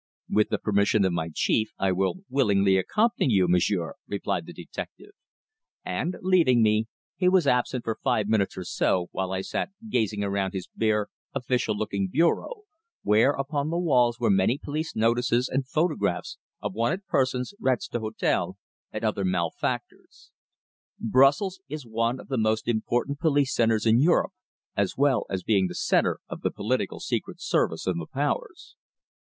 "With the permission of my chief I will willingly accompany you, m'sieur," replied the detective, and, leaving me, he was absent for five minutes or so, while I sat gazing around his bare, official looking bureau, where upon the walls were many police notices and photographs of wanted persons, "rats d'hotel," and other malefactors. Brussels is one of the most important police centres in Europe, as well as being the centre of the political secret service of the Powers.